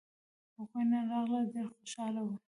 هغوی نن راغلل ډېر خوشاله وو